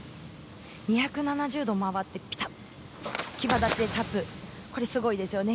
２７０度回ってピタッと騎馬立ちで立つこれ、すごいですよね。